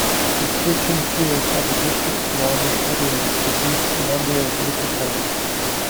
His sketching tours of the districts surrounding Adelaide, produced a number of watercolours.